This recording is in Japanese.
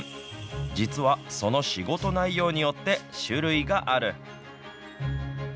実はその仕事内容によって種類がある。